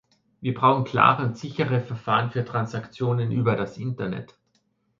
Wir brauchen klare und sichere Verfahren für Transaktionen über das Internet.